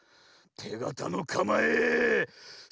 てがたのかまえその１！